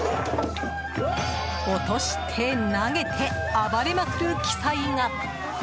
落として、投げて暴れまくる奇祭が。